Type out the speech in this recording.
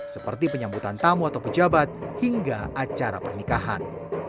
seperti penyambutan tamu atau pejabat hingga acara pernikahan